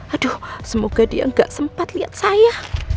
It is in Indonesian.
aduh semoga dia nggak sempat lihat saya